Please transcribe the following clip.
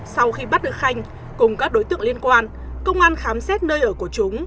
sau khi bắt được khanh cùng các đối tượng liên quan công an khám xét nơi ở của chúng